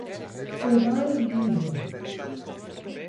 E vai líder!